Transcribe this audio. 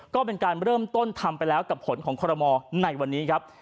ก็เป็นการเริ่มต้นทำไปแล้วกับผลของคอรมอลในวันนี้ครับ